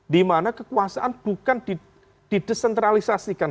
dimana kekuasaan bukan didesentralisasikan